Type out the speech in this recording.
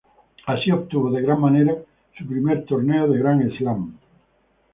Así obtuvo de gran manera su primer torneo de Grand Slam.